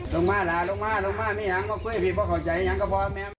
ลงมาล่ะลงมาไม่อยากมาคุยให้ผิดมาขอบใจอย่างก็พอ